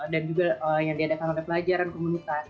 dan juga yang diadakan oleh pelajaran komunitas